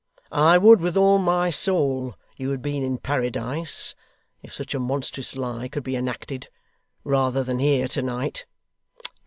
I would, with all my soul, you had been in Paradise (if such a monstrous lie could be enacted), rather than here to night.